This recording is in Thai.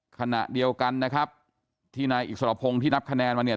ขณะเดียวกันนะครับที่นายอิสรพงศ์ที่นับคะแนนมาเนี่ย